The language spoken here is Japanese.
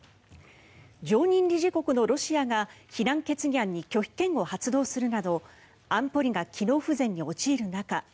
常任理事国のロシアが非難決議案に拒否権を発動するなど安保理が機能不全に陥る中